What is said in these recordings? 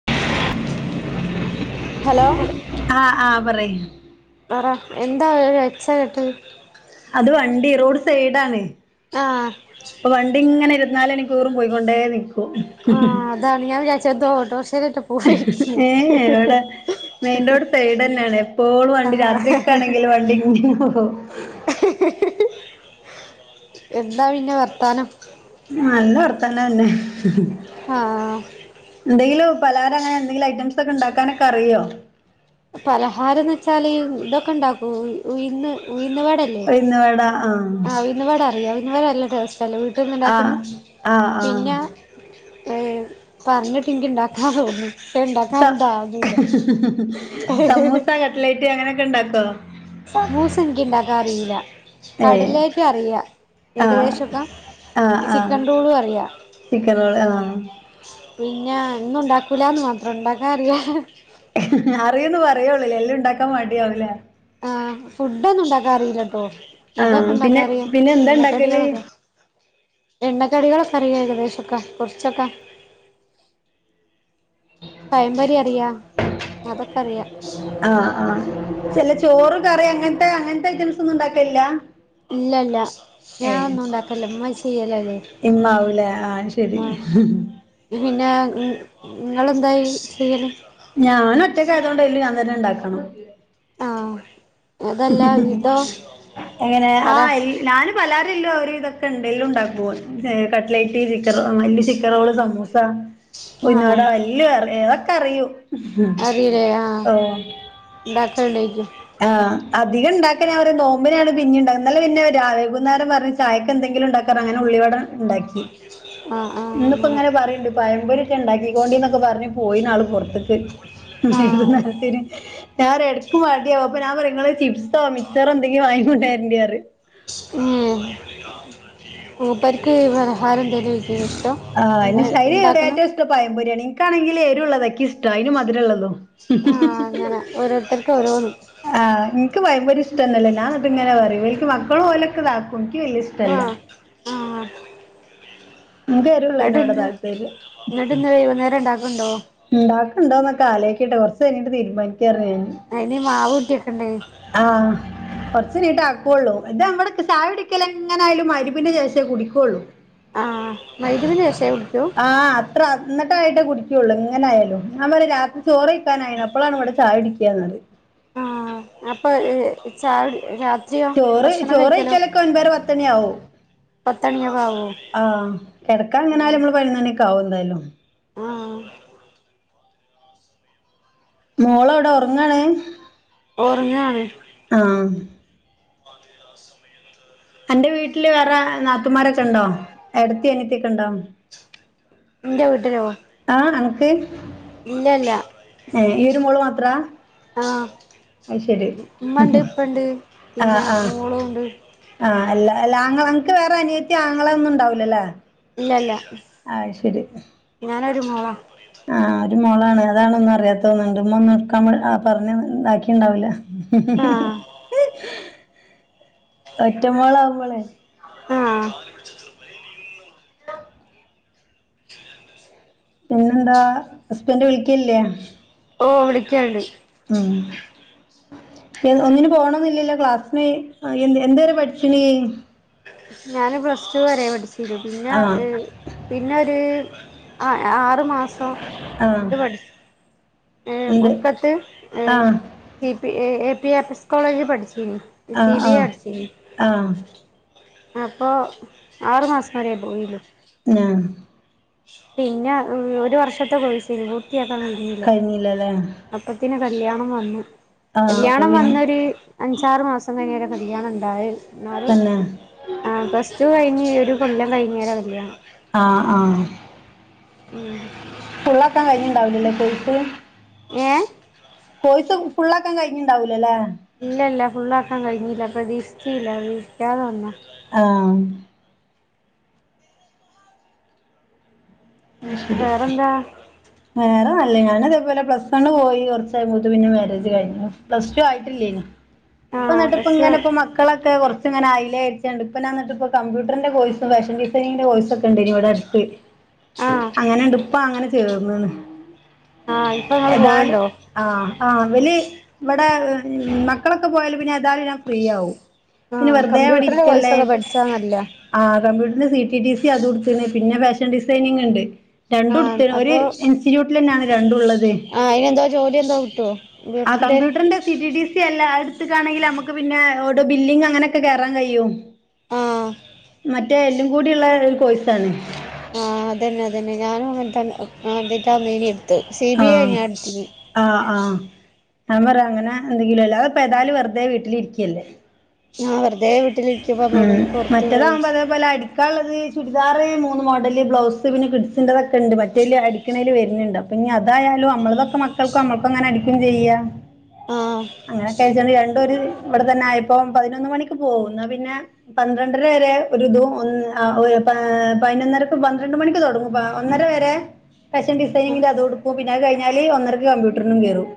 [unintelligible] ആഹ് ആഹ് പറയ് പറാ എന്താ ഒരു ഒച്ച കേട്ടത് അത് വണ്ടി റോഡ് സൈഡ് ആണ് ആഹ് അപ്പൊ വണ്ടി ഇങ്ങനെ ഇരുപത്ത് നാല് മണിക്കൂറും പോയിക്കൊണ്ടേ നിക്കും ആഹ് അതാണ് ഞാൻ വിചാരിച്ച് എന്തോ ഓട്ടോർഷേലേറ്റെ പോയേക്കും ഏ ഇവിടെ മെയിൻ റോഡ് സൈഡെന്നെണ് എപ്പോഴും വണ്ടി രാത്രി ആഹ് ഒക്കെ ആണെങ്കിലും വണ്ടി ഇങ്ങനെ പോവും എന്താ പിന്നെ വർത്താനം നല്ല വർത്താനം തന്നെ ആഹ് എന്തെങ്കിലും പലഹാരം അങ്ങനെ എന്തെങ്കിലും ഐറ്റംസ് ഒക്കെ ഉണ്ടാക്കാനൊക്കെ അറിയോ പലഹാരം എന്ന് വെച്ചാല് ഇതൊക്കെ ഉണ്ടാക്കും ഉയിന്ന് ഉയിന്ന് വട ഉയിന്ന് വട ആഹ ഉയിന്ന് വട അറിയോ ഉയിന്ന് വട നല്ല ടെസ്റ്റ്‌ അല്ലേ വീട്ടിന്ന് ആ ഉണ്ടാക്കുന്നെ ആ ആ പിന്നെ ഏഹ് പറഞ്ഞിട്ട് ഇന്ക്കി ഇണ്ടാക്കാൻ തോന്ന്ന്ന് സ സമൂസ കട്ലൈറ്റ് അങ്ങനൊക്കെ ഇണ്ടാക്കോ സമൂസ ഇനിക്ക് ഇണ്ടാക്കാൻ അറീല്ല ഏ കട്ലേറ്റ് അറിയാം ആ ഏകദേശൊക്കെ ആ ഈ ചിക്കൻ ആ റോളും അറിയാം ചിക്കൻ റോൾ ആ പിന്നെ ഒന്നും ഇണ്ടാക്കൂലാന്ന് മാത്രം ഇണ്ടാക്കാൻ അറിയാ അറിയുന്ന് പറയുഒള്ളൂ ല്ലേ എല്ലം ഇണ്ടാക്കാൻ മടി ആവുംല്ലേ ആഹ് ഫുഡ് ഒന്നും ഇണ്ടാക്കാൻ അറിയില്ലട്ടോ ആ ഇതൊക്കെ ഇണ്ടാക്ക പിന്നെ അറിയാം പിന്നെ എന്താ എണ്ണക്കടികൾ ഉണ്ടാക്കല് ഒക്കെ എണ്ണക്കടികൾ ഒക്കെ അറിയാം ഏകദേശം ഒക്ക കൊർച്ചൊക്കെ പഴംപൊരി അറിയാം അതൊക്കെ അറിയാം ആഹ് ആഹ് ചെല ചോറ് കറി അങ്ങൻത്തെ അങ്ങൻത്തെ ഐറ്റംസ് ഒന്നുംണ്ടാക്കല്ലാ ഇല്ലല്ല ഞാന ഒന്നും ഉണ്ടാക്കല്ല ഉമ്മച്ചി ചെയ്യലല്ലേ ഇമ്മാവൂലേ ആഹ് ശരി ആഹ് [unintelligible] പിന്നെ ങ്ങ് ങ്ങളന്തായി ചെയ്യല് ഞാനൊറ്റയ്ക്കായതുകൊണ്ട് എല്ലു ഞാൻ തന്നെ ഉണ്ടാക്കണം ആഹ് അതല്ല ഇതോ എങ്ങനെ പറ ആഹ് ഈ ഞാന് പലാരെല്ലോ ഒരുവിതൊക്കെന്തേലുണ്ടാക്കും ഏഹ് കട്ട്ലൈറ്റ് ചിക്കറോ അങ്ങനെല്ല് സി ചിക്കറോള് സമൂസ ഉയ്ന്ന് വട ആഹ് എല്ലോ അറി അതൊക്കെ അറിയൂ അറിയൂലേ ആഹ് ഓ ണ്ടാക്കൽണ്ടേയ്ക്കു ആഹ് അധികംണ്ടാക്കല് അവര് നോമ്പിനാണ് പിന്നെണ്ടാക്ന്നെ ഇന്നല പിന്നെ രാ വൈകുന്നേരം പർഞ്ഞ് ചായക്ക്‌ എന്തെങ്കിലും ഉണ്ടാക്കാറ അങ്ങനെ ഉള്ളിവട ഉണ്ടാക്കി ആഹ് ആഹ് ഇന്നിപ്പോ അങ്ങനെ ഇങ്ങനെ പറയണ്ട് പയം പൊരി ക്കെണ്ടാക്കിക്കൊണ്ടിന്നൊക്കെ പറഞ് പോയിനാള് പൊർത്ത്ക്ക്‌ ആഹ് [unintelligible] ഞാൻ ഒരെടക്ക്‌ മടിയാവും അപ്പ ഞൻ നിങ്ങള് ചിപ്സോ മിച്ചറോ എന്തെങ്കിലും വാങ്ങികൊണ്ട് വരണ്ടി പറയും ഉം മൂപ്പർക്ക് പലഹാരം എന്തേലും വെക്കണേ ഇഷ്ടം ആഹ് അയ്ന് എന്താ ഇഷ് അയ്ന് ഉണ്ടാക്കുന്ന ഏറ്റവും ഇഷ്ടം പയംമ്പൊരിയാണ് ഇനിക്കാണെങ്കില് ഏരുവുള്ളത ഇക്കിഷ്ടം അതിന് മദുരൊള്ളതും ആഹ് അങ്ങനെ ഓരോത്തർക്ക് ഓരോന്ന് ആഹ് ഇൻക്ക് പയംപൊരി ഇഷ്ട്ടൊന്നുല്ല ഞാന്നിട്ട് ഇങ്ങനെ പറയൂ എനിക്ക് മക്കളും ഓലൊക്കെതാക്കും ഇൻക്ക് വല്ല്യഇഷ് ആഹ് ആഹ് ഇൻക്ക് എന്നിട്ട് എരുള്ളേയ്നോടാ ഇന്ന് താല്പര്യം എന്നിട്ട് ഇന്ന് വൈകുന്നേരം ഉണ്ടാക്കുന്നുണ്ടോ ഇണ്ടാക്ക്ണ്ടോന്നൊക്കെ ആലോയിക്കട്ടെ കൊർച്ച് കഴിഞ്ഞിട്ട് തീരുമാനി അയ്ന് മാവൂട്ടി വെക്കണ്ടേ ആഹ് കൊർച്ചയ്ഞ്ഞിട്ടേ ആക്കുള്ളു ഇതാ ഇവിടെത്തെ ചായകുടിക്കല് എങ്ങനായാലും മഗ്രിബിന്റെ ശേഷേ കുടിക്കുള്ളൂ ആഹ് മഗ്‌രിബിന് ശേഷേ കുടിക്കൂ ത്ര ന്നിട്ടായിട്ടേ കുടിക്കുള്ളൂ എങ്ങനായാലും ഞമ്മള് രാത്രി ചോറെയ്ക്കാനായിണ് അപ്പളാണ് ഇവിടെ ചായകുടിക്കാ എന്ന് പറയും ആഹ് അപ്പൊ ഏഹ് ചായകുടി രാ ചോറ് ചോറെയ്ക്കലൊക്ക ഒൻപതര പത്ത്മണി ആവും പത്തണിയൊക്കെ ആവോ ആഹ് കെടക്കാൻ എങ്ങനാലും ആഹ് നമ്മള് പതിനൊന്ന് മണിയൊക്കെ ആവും എന്തായാലും ആഹ് മോളെവിടെ ഒറങ്ങാണ് ഒറങ്ങാണ് ആഹ് അതെ ആഹ് സമയം അന്റെ വീട്ടില് വേറെ നാത്തുമാരൊക്കെണ്ടോ ഏടത്തി അനിയത്തിക്കെണ്ടോ ന്റെ വീട്ടിലോ ആഹ് അനക്ക് ഇല്ല ഇല്ല ഏഹ് ഈ ഒരു മോള് മാത്രാ ആഹ് അത് ശരി ഉമ്മണ്ട് ഇപ്പണ്ട് പിന്നെ മോളുണ്ട് ആഹ് അല്ല അല്ല ആങ്ങള അൻക്ക് വേറെ അനിയത്തി ആങ്ങള ഒന്നുംണ്ടാവില്ലല്ലേ ഇല്ലല്ല അഹ്ശരി ഞാനൊരു മോളാ ആഹ് ഒരു മോളാണ് അതാണൊന്നും അറിയാത്തോന്നുണ്ട് ഉമ്മ ഒന്നും എടുക്കാൻ പറ ആഹ് പറഞ്ഞ് ഇതാക്കിണ്ടാവില്ല ആഹ് ഒറ്റ മോളാവുമ്പളേ ആഹ് പിന്നെന്താ ഹസ്ബന്റ് വിളിക്കൽല്ലേ ഓഹ് വിളിക്കല്ണ്ട് ഉം ഏത് ഒന്നിനും പോണോന്നില്ലല്ലോ ക്ലാസ്സിന് എന്ത്‌ എന്തുവരെ പഠിച്ചിനീ ഞാന് പ്ലസ് ടു വരെ പഠിച്ചിന് പിന്നെ ആ ഏഹ് പിന്നെ ഒരു ആഹ് ആറ് മാസം ആ ഇത് പഠിച് ഏഹ് എന്ത് മുക്കത്ത് ഏഹ് ആ C P A A P എപ്പ് S കോളേജി പഠിച്ചീനി ആഹ് ആഹ് ആഹ് അപ്പോ ആറുമാസം വരെയേ പോയി ഉള്ളു. ആഹ് പിന്നെ ഒരു വർഷത്തെ കോഴ്സെനി പൂർത്തിയാക്കാൻ കഴിഞ്ഞില്ല ഇല്ലല്ലേ? അപ്പത്തേന് കല്യാണം വന്നു. ആഹ് അപ്പൊ കല്യാണം പി വന്നൊരു അഞ്ചാറ് മാസം കഴിഞ്ഞാ കല്യാണം ഉണ്ടായത്. എന്നാലും തന്നെ ആഹ് പ്ലസ് ടു കഴിഞ്ഞ് ഒരു കൊല്ലം കഴിഞ്ഞേ കല്യാണം. ആഹ് ആഹ് ഉം. ഫുള്ളാക്കാൻ കഴിഞ്ഞ് ഉണ്ടാവില്ലേലെ കോഴ്സ് ഏഹ് കോഴ്സ് ഫുള്ളാക്കാൻ കഴിഞ്ഞിണ്ടാവുല അല്ലേ? ഇല്ല ഇല്ല ഫുള്ള്ആക്കാൻ കഴിഞ്ഞില്ല പ്രതീക്ഷിച്ചില്ല. പ്രതീക്ഷിക്കാതെ വന്ന ആഹ് അ ശരി വേറെന്താ വേറെ നല്ലത് ഞാനതേ പോലെ പ്ലസ് വൺ പോയി കുറച്ചായപ്പത്തേന് പിന്നെ മാരേജ് കഴിഞ്ഞു. പ്ലസ് ടു ആയിട്ടില്ലേനി ഇപ്പ ആഹ് നിട്ടിപ്പ പ്ലസ് ടു ഇങ്ങനെ ഇപ്പ മക്കളൊക്കെ കുറച്ച് ഇങ്ങനെ അയിലേ അയച്ചുണ്ട് ഇപ്പം ഞാന് കമ്പ്യൂട്ടറിന്റെ കോഴ്സ്, ഫാഷൻ ഡിസൈനിങ്ങിന്റെ കോഴ്സ് ഒക്കെ ഉണ്ടേനിഇവിടെ അടുത്ത്. ആഹ് അങ്ങനെ ഇണ്ട് ഇപ്പം അങ്ങനെ ചേർന്നണ്. ആഹ് ഇപ്പൊ നിങ്ങള് പോയണ്ടോ? ആഹ് ആഹ് ഇവല് ഇവിടെ മക്കളൊക്കെ പോയാല് പിന്നെ ഏതാലും ഞാൻ ഫ്രീ ആവും പിന്നെ ആഹ് വെറുതെ ഇവിടെ കമ്പ്യൂട്ടറിന്റെ ഇരിക്കല്ലേ കോഴ്സൊക്കെ പഠിച്ചാ നല്ലതാ ആഹ് കമ്പ്യൂട്ടറിന് സി. റ്റി. ടി. സി. അത് എടുത്തണ്. പിന്നെ ഫാഷൻ ഡിസൈനിങ് ഉണ്ട്. രണ്ടും ആഹ് എടുത്തേന് ഒരു അപ്പൊ ഇൻസ്റ്റിറ്റ്യൂട്ടിൽ തന്നെയാണ് രണ്ടും ഉള്ളത്. ആ വീട്ടിന്റെ കമ്പ്യൂട്ടറിന്റെ സി. റ്റി. ഡി. സി അല്ല അത് എടുക്കാണെങ്കിൽ നമ്മുക്ക് പിന്നെ ഓ ബില്ലിംഗ് അങ്ങനെയൊക്കെ കേറാൻ കഴിയും. ആഹ് മറ്റേ എല്ലും കൂടി ഉള്ള കോയ്സാണ്. ആഹ് അത് തന്നെ അത് തന്നെ ഞാനും തന്നെ എന്തിട്ടാ [unintelligible] എടുത്തു സി ബി ഐ ഞാൻ എടുത്ത്ക്കണ്. ആഹ് ആഹ് ഞാൻ പറ അങ്ങനെ എന്തെങ്കിലുമല്ലോ അഹ് പ്പാതെയാലും വെറുതെ വീട്ടിലിരിക്കയല്ലേ. ആ് ഹ് വെറതെ വി ഉം. മറ്റേതാവുമ്പോ അതേപോലെ അ ക്കാള്ളത് അത് ചുരിദാർ മൂന്ന് മോഡല് ബ്ലൗസ് പിന്നെ കിഡ്സിന്റെ തൊക്കെയുണ്ട്. മറ്റേ അടിക്കണേൽ വരുന്നുണ്ട് പിന്നെ അതായാലും നമ്മളതൊക്കെ മക്കൾക്കും നമ്മൾക്കും അങ്ങനെ അടിക്കും ചെയ്യാം. ആഹ് അങ്ങനെക്കെഴിച്ചണ്ട് രണ്ടു ഒരു ഇവിടെ തന്നെ ആയിപ്പം പതിനൊന്ന് മണിക്ക് പോകും. എന്നാപിന്നെ പന്ത്രണ്ടര വരെ ഒരിതു പതിനൊന്നര പന്ത്രണ്ട് മണിക്ക് തുടങ്ങും. വ ഒന്നര വരെ ഫാഷൻ ഡിസൈനിങ്ങിന്റെ അത് എടുക്കും. പിന്നെ അത് കഴിഞ്ഞാല് ഒന്നരക്ക് കമ്പ്യൂട്ടറിനും കയറും.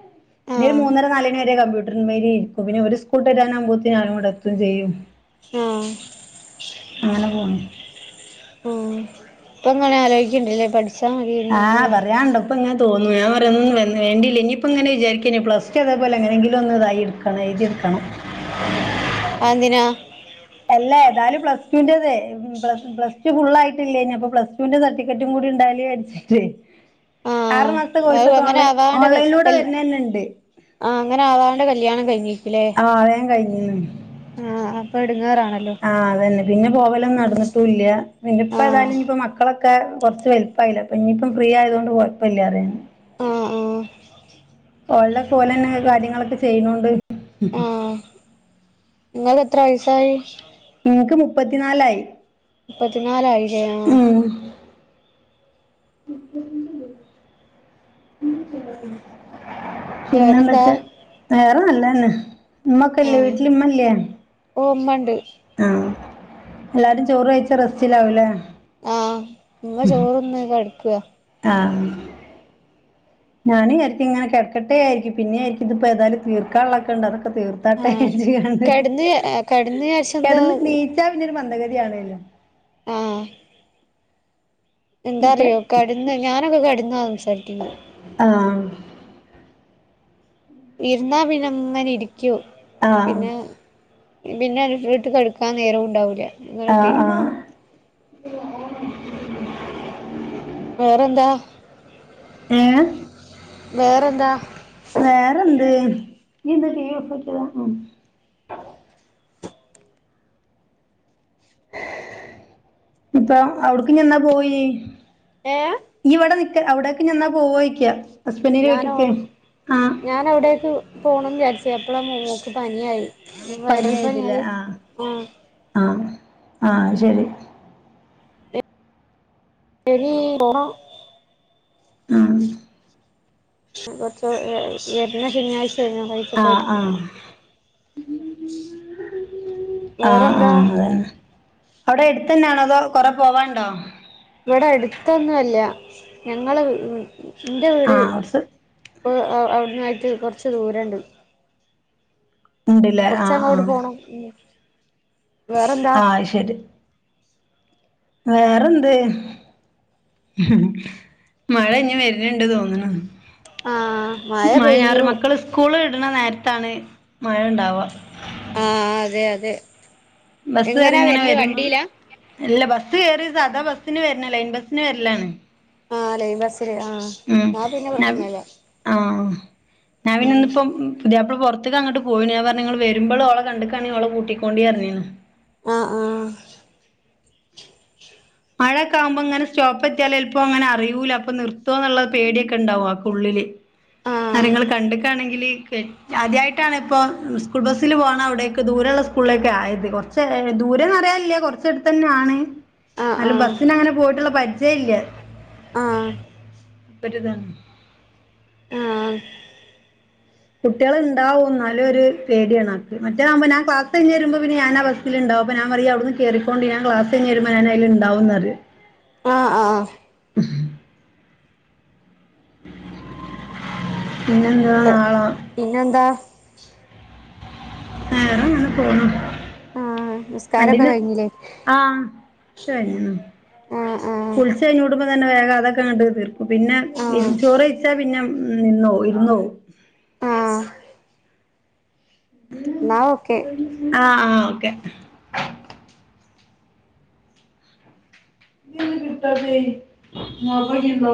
പിന്നെ ഒരു ആഹ് മൂന്നര നാലു മണി വരെ കമ്പ്യൂട്ടറിൻ മേലിൽ ഇരിക്കും. പിന്നെ ഇവര് സ്കൂളു വിട്ട് വരാൻകുമ്പത്തേന് ഞാൻ ഇവിടെ എത്തുകയുംചെയ്യും. ആഹ് അങ്ങനെ പോണ്. ഓ ഇപ്പ ഇങ്ങനെ ആലോചിക്കണ്ട്ല്ലേ പഠി ആഹ് പറയാനുണ്ടോ? ഇപ്പം ഇങ്ങനെ തോന്നുന്നു. ഞാൻ പറയ ഒന്നും വേണ്ടയില്ല ഇനിയിപ്പ ഇങ്ങനെ വിചാരിക്കിന് പ്ലസ് ടു ഇതേ പ്പോലെ എങ്ങനെങ്കിലും ഒന്ന് ഇതായി ന്ന് എഴുതി എടുക്കണം. അതെന്തിനാ? അല്ല ഏതാലും പ്ലസ് ടു വിന്റെതെ പ് പ്ലസ് ടു ഫുൾ ആയിട്ടില്ലേനി. ഇനി അപ്പ പ്ലസ് ടുവിന്റെ സട്ടിഫിക്കറ്റും കൂടി ഉണ്ടാലിന് വിചാരിച്ചിട്ട് ആഹ് ആറുമാസത്തെ കോഴ്സ് അത് ഒക്കെ അങ്ങനെ ഓൺലൈ ആവാണ്ട് ഓൺലൈനിലൂടെ കല് വരുന്ന തന്നെ ഉണ്ട്. ആഹ് അങ്ങനെവാണ്ടെ കല്യാണം കഴിഞ്ഞി. ആഹ് വേഗം കഴിഞ്ഞു. ആഹ് അപ്പൊ എടങ്ങേറാണ ആഹ് അതന്നെ പിന്നെ പോവലൊന്നും നടന്നിട്ടുംല്ല പിന്ന ഇപ്പ ആഹ് തായാലും ഇപ്പ മക്കളൊെ ക്ക കുറച്ച് വെലുപ്പായിയില്ല അപ്പ ഇനിയിപ്പം ഫ്രീ ആയത കൊണ്ട് കുഴപ്പമ ഇല്ല അറിയാണ് ആഹ ആഹ ഓൻതൊക്കെ ഓൽ തന്നെെ കാര്യങ്ങളൊക്കെ ചെയ്യുന്നുണ്ട് ആഹ നിങ്ങൾക്ക് എത്ര വയസായി നിങ്ങക്ക് മുപ്പത്തിനാലായി പതിനാാലായിലെ ഉം പിന്നെ വേറെന്താ എന്തൊക്കെ വേറെ നല്ലന്നെ മമ്മക്കല്ല വീട്ടലിമ്മല്ലയാ ഒ ാമ്മണ്ട് ആഹ എല്ലാരും ചോറ് കഴിച്ച റസ്റ്റിലാവൂലേ ആഹ മമ്മ ചോറൊന്ന്െ കടുക്കുക ആ ഞാനുംരിക്കും ഇങ്ങന കിടക്കട്ടൊയിരിക്കും പിന്നെ ആരിക്ക ഇതിപ്പോ ഏതായും തീർക്കാള്ളൊക്കെണ്ട് അതൊക്ക തീർക്ക ആഹ് തട്ടഞ്ച കണ്ട് കെടന്ന് കെടന്ന് വിചാരിച്ച എന്താ കിടന്ന് നീച്ചാ പിന്നെരു മന്ദഗതിയാണല്ലോ ആ എന്താ എന്നൊക്കെ അറിയോ കടന്ന് ഞാനൊക്കെ കടന്നാ സംസാരിക്കുന്നത് ആഹ ഇരുന്നാ പിന്നങ്ങൻ ഇരിക്കൂ ആഹ് പിന്നെ പിന്നെ അ ഒരു ഫ്രീട്ട് കടക്കാൻ നേരവും ഉണ്ടാവില്ല ഇങ്ങനൊക്കെ ആഹ് ആഹ് വേറെന്താ എഏഴ വേറെ എന്താ വേറെ എന്ത് ടിവി പോട്ടത ഇപ്പ അവിടക്ക ഞ്ഞിന്നാ പോയി ഏ ഇവിടെ നിിക്ക അവിടൊക്കെ ന്നാ പോവക്ക ഞാനോ ഞാൻ അവിടേക്ക് പോണംന്ന് വിചാരിച്ച അപ്പളാ മോക്ക് പനിയായി വൈറൽ പണിയത് ആഹ ആ ആ ശരി എ നീ പോണം ആഹ [unintelligible] ഏ വര്ന്നശനിയഴ്ച യോ ഞാറാ ആഹ ആഹ ആഹ വേറെന്താ ആഹ അതന്നെ അവിടെ എടുത്തന്നെയാണോ അതോ കൊറെ പോവാണ്ടോ ഇവിടെ അടുത്തൊന്നും അല്ല ഞങ്ങളെ എന്റെ വീട് ആഹ് കുറച്ച് അപ്പോൾ അവിടന്ന ആയിട്ട് കുറച്ച് ദൂരമുണ്ട് ഉണ്ടില്ലേ ആ കുറച്ച് ആ [inaudible] വേറെന്താ ആ ശരി വേറെന്ത് മഴ ഇനി വരുന്നിണ്ട് തോന്നണ ആഹ് മഴ ഞാറ് പെയ്യൂ മക്കള് സ്കൂള് വിടണ നേരത്താണ് മഴ ഉണ്ടാവുക ആഹ് അതെ അതെ. ബസ് എങ്ങനാ കേറിങ്ങനെ വരല് വരുമ്പം വണ്ടിയിലാ അല്ല ബസ്സ് കേറീ സാധാ ബസ്സിന് വരണം ലൈൻ ബസ്സിന് വര്ല്ലാണ്. ആഹ് ലൈൻ ബസ്സിന് ആഹ്. ഉം എന്നാ പിന്നെ നവി പ്രശ്നല്ല ആഹ് നാവിനന്നിപ്പോ പുതിയാപ്പള പൊറ [unintelligible] അങ്ങോട്ട് പോയിന് ഞാ പറഞ്ഞ ങള് വരുമ്പള് ഓളെ കണ്ട്ക്കാണെയ് ഓളെ കൂട്ടിക്കൊണ്ടീറഞീന്നു. ആഹ് ആഹ്. മഴൊക്കെ ആകുമ്പോ ഇങ്ങനെ സ്റ്റോപെത്തിയാല് ചെലപ്പോം അങ്ങനെ അറിയൂല അപ്പോ നിർത്തോ എന്നുള്ള പേടിയൊക്കെണ്ടാവും ആക്കുള്ളില്. ആഹ് ആരെങ്കിലും കണ്ട്ക്കാണെങ്കില് കെ ആദ്യായിട്ടാണിപ്പം സ്കൂൾ ബസ്സില് പോണവടേക്ക് ദൂരെയുള്ള സ്കൂളിലേക്കായത് കൊറ ച്ചെ ദൂരന്നറിയാല്ല്യ കൊറച്ചടുത്തന്നാണ്. ആഹ് ന്നാലും ആഹ് ബസ്സിനങ്ങനെ പോയിട്ടുള്ള പരിചയില്ല. ആഹ്. രിതാണ്. ആഹ് കുട്ടിയളുണ്ടാവും എന്നാലു ഒരു പേടിയാണാക്ക്, മറ്റതാകുമ്പോ ഞാൻ ക്ലാസ് കഴിഞ്ഞ് വരുമ്പോ പിന്നെ ഞാനാ ബസ്സ് ലിണ്ടാവും അപ്പോഞാൻ പറയും അവിട്ന്ന് കേറിക്കോൻണ്ടി ഞാൻ ക്ലാസ്സ് കഴിഞ്ഞ് വരുമ്പോ ഞാനയില് ണ്ടാവും ന്നറിം. ആ ഹ് ആ ആ പിന്നെ എന്താ നാളെ പിന്നെന്താ? വേറെങ്ങനെ പോണു. ആഹ് നിസ്കാരൊക്കെ വണ്ടിന് കഴിഞ്ഞില്ലേ ആഹ് ശരിന്നു ആഹ് ആഹ് കുൾ ഉച്ചക്കഴിഞ്ഞൂടുമ്പോ തന്നെ വേഗം അതൊക്കെങ്ങട്ട് തീർക്കും, പിന്നെ ഇ ആഹ് ചോറ് കഴിച്ചാ പിന്നെ മ് നിന്നോവും ഇരുന്നോവും. ആഹ് മ് ന്നാ ഓക്കെ. ആഹ് ആഹ് ഓക്കെ. [unintelligible] കിട്ടാത്തെയ് ങ്ങ് ഓഫാക്കിക്കൊ.